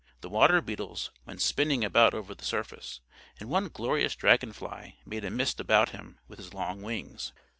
The water beetles went spinning about over the surface; and one glorious dragon fly made a mist about him with his long wings.